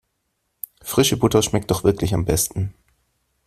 Frische Butter schmeckt doch wirklich am besten.